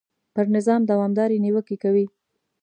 پر نظام دوامدارې نیوکې کوي.